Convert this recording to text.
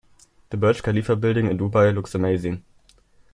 The Burj Khalifa building in Dubai looks amazing.